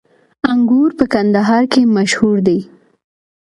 انګور په کندهار کې مشهور دي